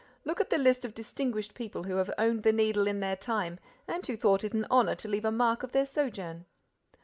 —Look at the list of distinguished people who have owned the Needle in their time and who thought it an honor to leave a mark of their sojourn."